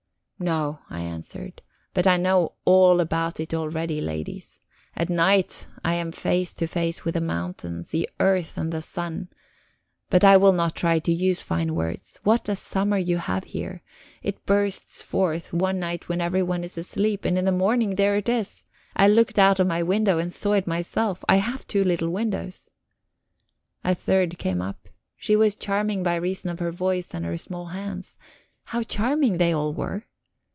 "No," I answered. "But I know all about it already, ladies. At night I am face to face with the mountains, the earth, and the sun. But I will not try to use fine words. What a summer you have here! It bursts forth one night when everyone is asleep, and in the morning there it is. I looked out of my window and saw it myself. I have two little windows." A third came up. She was charming by reason of her voice and her small hands. How charming they all were!